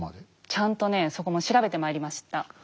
ちゃんとねそこも調べてまいりました。